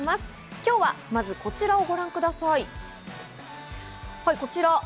今日はまずこちらをご覧ください。